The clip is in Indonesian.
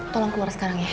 tolong keluar sekarang ya